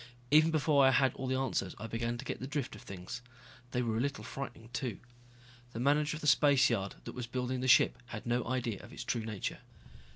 Even before I had all the answers I began to get the drift of things. They were a little frightening, too. The manager of the spaceyard that was building the ship had no idea of its true nature.